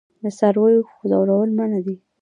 د څارویو ځورول منع دي.